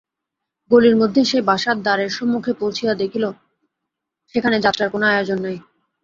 গলির মধ্যে সেই বাসার দ্বারের সম্মুখে পৌঁছিয়া দেখিল, সেখানে যাত্রার কোনো আয়োজন নাই।